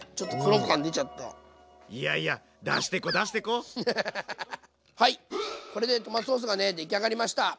おおいやいやはいこれでトマトソースがね出来上がりました！